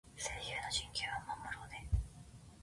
声優の人権は守ろうね。